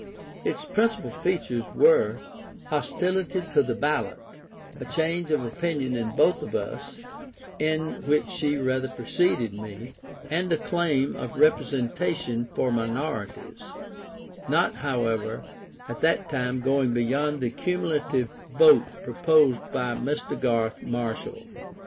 Its principal features were, hostility to the Ballot (a change of opinion in both of us, in which she rather preceded me), and a claim of representation for minorities; not, however, at that time going beyond the cumulative vote proposed by Mr. Garth Marshall.